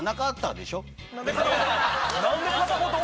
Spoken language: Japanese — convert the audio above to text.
何で片言？